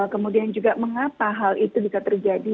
kemudian juga mengapa hal itu bisa terjadi